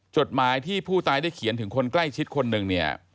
จดหมายที่ผู้ตายได้เขียนถึงคนใกล้ชิดคนหนึ่งเนี่ย